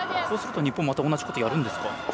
そうすると日本また同じことをやりますか。